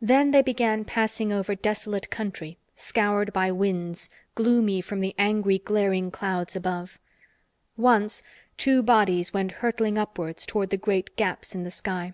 Then they began passing over desolate country, scoured by winds, gloomy from the angry, glaring clouds above. Once, two bodies went hurtling upwards toward the great gaps in the sky.